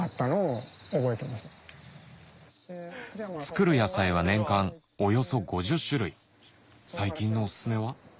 作る野菜は年間およそ５０種類最近のオススメは？